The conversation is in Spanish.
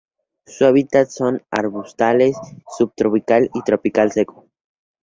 Su hábitat son arbustales subtropical y tropical seco.